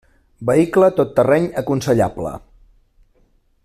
Vehicle tot terreny aconsellable.